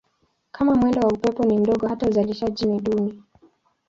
Kama mwendo wa upepo ni mdogo hata uzalishaji ni duni.